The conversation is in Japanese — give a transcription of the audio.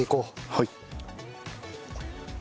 はい。